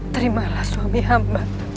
terimalah suami amba